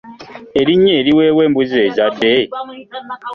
Erinnya eriweebwa embuzi ezadde?